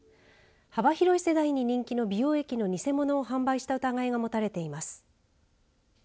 幅広い世代に人気の美容液の偽物を販売した疑いが持たれています。